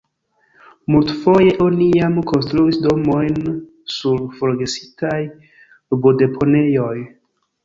Multfoje oni jam konstruis domojn sur forgesitaj rubodeponejoj.